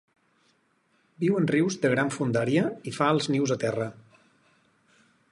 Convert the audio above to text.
Viu en rius de gran fondària i fa els nius a terra.